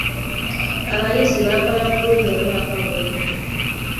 Abayizi baakola bulungi omwaka guno.